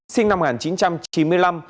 sinh năm một nghìn chín trăm chín mươi năm